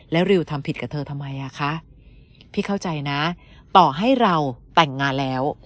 แล้วริวทำผิดกับเธอทำไมอ่ะคะพี่เข้าใจนะต่อให้เราแต่งงานแล้ว